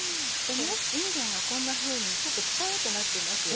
いんげんがこんなふうにちょっとクタっとなってます。